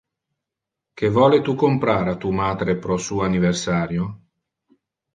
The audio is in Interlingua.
Que vole tu comprar a tu matre pro su anniversario?